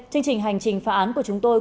chương trình hành trình phá án của chúng tôi